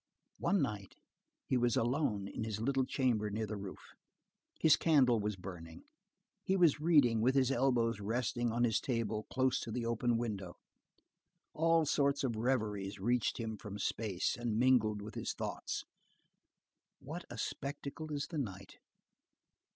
One night, he was alone in his little chamber near the roof. His candle was burning; he was reading, with his elbows resting on his table close to the open window. All sorts of reveries reached him from space, and mingled with his thoughts. What a spectacle is the night!